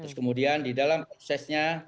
terus kemudian di dalam prosesnya